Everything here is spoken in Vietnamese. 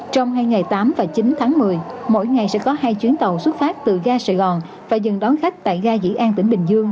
trong hai ngày tám và chín tháng một mươi mỗi ngày sẽ có hai chuyến tàu xuất phát từ ga sài gòn và dừng đón khách tại ga dĩ an tỉnh bình dương